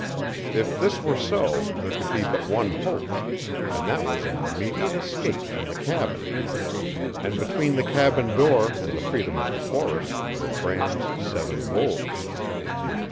If this were so there could be but one hope and that was an immediate escape from the cabin. And between the cabin door and the freedom of the forest were Bram's seven wolves!